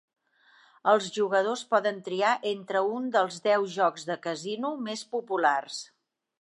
Els jugadors poden triar entre un dels deu jocs de casino més populars.